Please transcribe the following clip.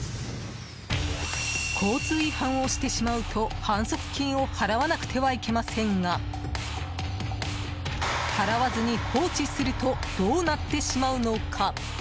交通違反をしてしまうと反則金を払わなくてはいけませんが払わずに放置するとどうなってしまうのか。